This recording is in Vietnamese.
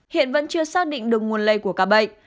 hiện vẫn chưa xác định được nguồn lây của ca bệnh